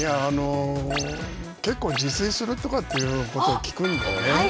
結構自炊するとかってことを聞くんでね。